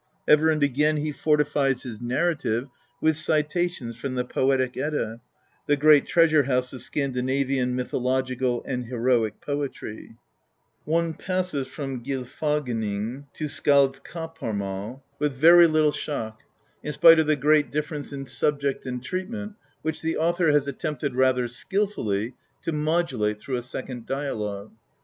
Ever and again he fortifies his narrative with citations from the Poetic Edda^ the great treasure house of Scandinavian mythological and heroic poetry. One passes from Gylfaginning to Skalds kaparmal with 'See Stiirlunga Sag.i^ vol. i, Proleg. pp. Ixxvii, and note. xvi INTRODUCTION very little shock, in spite of the great difFerence in subject and treatment, which the author has attempted, rather skil fully, to modulate through a second dialogue.